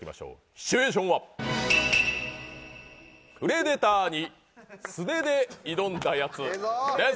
シチュエーションはプレデターに素手で挑んだヤツです。